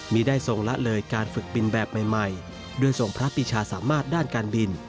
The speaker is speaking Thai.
มีได้ทรงละเลยการฝึกบินแบบใหม่ด้วยทรงพระปิชาสามารถด้านการบิน